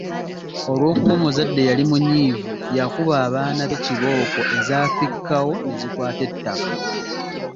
Olw’okuba omuzadde yali munyiivu, yakuba abaana be kibooko ezaafikkawo ne zikwata ettaka.